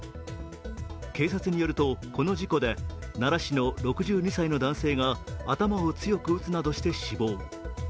警察によると、この事故で奈良市の６２歳の男性が頭を強く打つなどして死亡。